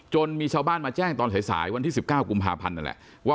จนมีชาวบ้านมาแจ้งตอนเฉยสายวันที่สิบเก้ากุมภาพันธ์นั่นแหละ